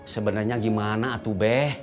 sebenarnya gimana atuh beh